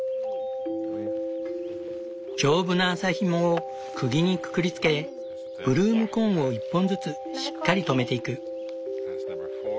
丈夫な麻ひもをくぎにくくりつけブルームコーンを１本ずつしっかり留めていく。